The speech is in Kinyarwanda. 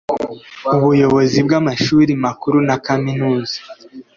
Ubuyobozi bw Amashuri Makuru na kaminuza